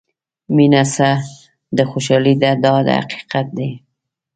مینه څه ده خوشالۍ ده دا حقیقت دی.